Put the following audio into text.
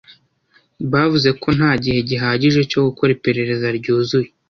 Bavuze ko nta gihe gihagije cyo gukora iperereza ryuzuye.